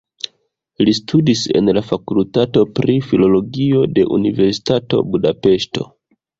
Li studis en la fakultato pri filologio de Universitato Budapeŝto.